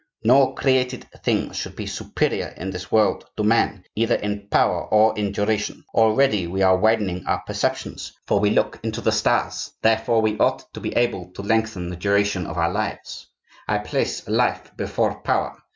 No created thing should be superior in this world to man, either in power or in duration. Already we are widening our perceptions, for we look into the stars; therefore we ought to be able to lengthen the duration of our lives. I place life before power.